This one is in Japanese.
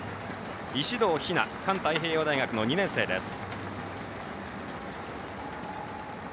石堂、環太平洋大学の２年生です。